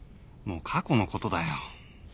もう過去のことだよ。